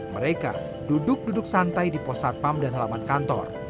mereka duduk duduk santai di pos satpam dan halaman kantor